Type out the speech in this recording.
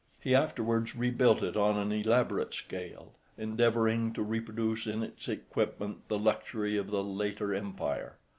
He afterwards rebuilt it on an elaborate scale, endeavouring to reproduce in its equipment the luxury of the later empire.